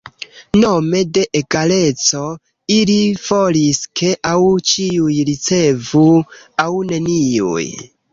Nome de egaleco ili volis ke aŭ ĉiuj ricevu aŭ neniuj.